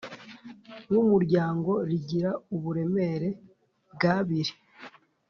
w Umuryango rigira uburemere bw abiri